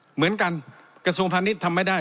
เหมือนกันกระทรวงพันธุ์นี้ทำไม่ได้